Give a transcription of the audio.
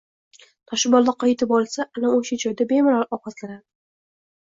Toshbuloqqa yetib olsa, ana o‘sha joyda bemalol ovqatlanadi